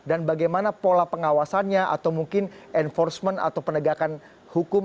dan bagaimana pola pengawasannya atau mungkin enforcement atau penegakan hukum